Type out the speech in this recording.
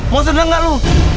mau sedang gak lo